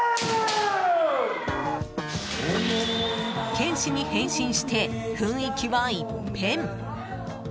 剣士に変身して雰囲気は一変。